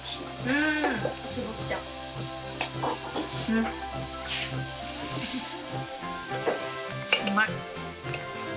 うまい。